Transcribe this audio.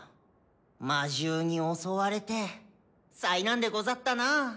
魔獣に襲われて災難でござったな。